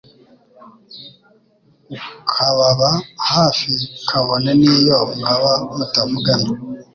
ukababa hafi kabone n'iyo mwaba mutavugana